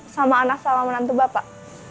sama anak sama menantu bapak